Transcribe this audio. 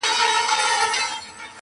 قلندر پر کرامت باندي پښېمان سو.!